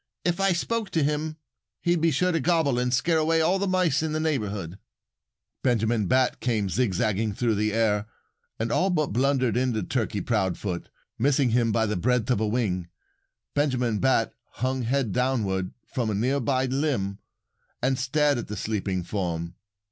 If I spoke to him he'd be sure to gobble and scare away all the mice in the neighborhood." Benjamin Bat came zigzagging through the air and all but blundered into Turkey Proudfoot. Missing him by the breadth of a wing, Benjamin Bat hung head downward from a near by limb and stared at the sleeping form.